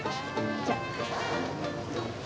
じゃあ。